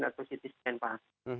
fosforoksion atau ketiskan paru